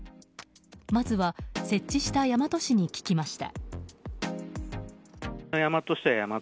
まずは設置した大和市に聞きました。